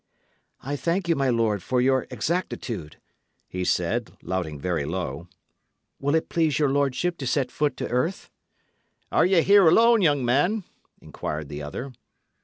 "I thank you, my lord, for your exactitude," he said, louting very low. "Will it please your lordship to set foot to earth?" "Are ye here alone, young man?" inquired the other.